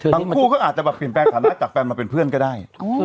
ทั้งคู่เขาอาจจะแบบเปลี่ยนแปลงฐานะจากแฟนมาเป็นเพื่อนก็ได้